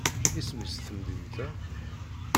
Isem-is temdint-a?